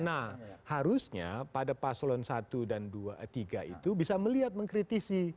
nah harusnya pada paslon satu dan dua tiga itu bisa melihat mengkritisi